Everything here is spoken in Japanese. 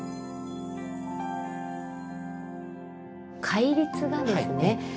戒律がですね